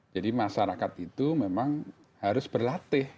jadi masyarakat itu memang harus berlatih